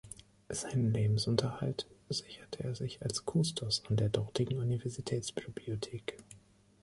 Seinen Lebensunterhalt sicherte er sich als Kustos an der dortigen Universitätsbibliothek.